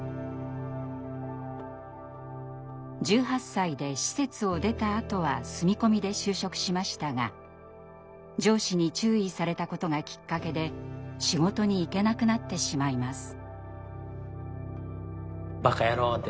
１８歳で施設を出たあとは住み込みで就職しましたが上司に注意されたことがきっかけで仕事に行けなくなってしまいます。